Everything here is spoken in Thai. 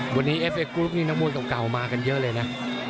วันนี้เอฟเอกกรุ๊ปนี่นักมวยเก่ามากันเยอะเลยนะ